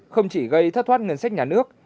không chỉ gây thất thoát ngân sách nhà nước